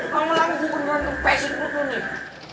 kamu lagi bukan bukan kepesin buat lo nih